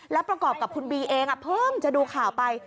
และประกอบกับคุณบีเองเพิ่งจะดูข่าวไป